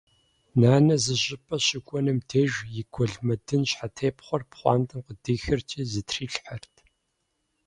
Нанэ зы щӏыпӏэ щыкӏуэнум деж и гуэлмэдын щхьэтепхъуэр пхъуантэм къыдихырти зытрилъхьэрт.